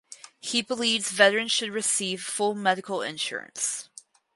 He believes veterans should receive full medical insurance.